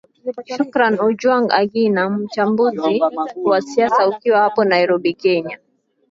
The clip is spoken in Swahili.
shukran ojwang agina mchambuzi wa siasa ukiwa hapo nairobi kenya